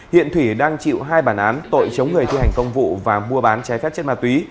hiện thủy đang chịu hai bản án tội chống người thi hành công vụ và mua bán trái phép chất ma túy